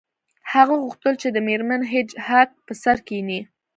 هغه غوښتل چې د میرمن هیج هاګ په سر کښینی